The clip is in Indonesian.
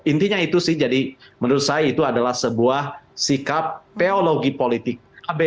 intinya itu sih jadi menurut saya itu adalah sebuah sikap teologi politik